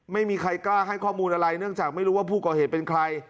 ไม่มีใครกล้าให้ข้อมูลอะไรเนื่องจากไม่รู้ว่าผู้ก่อเหตุเป็นใคร